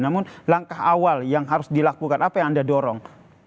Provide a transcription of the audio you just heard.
namun langkah awal yang harus dilakukan apa yang anda dorong